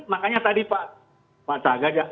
makanya tadi pak pak taga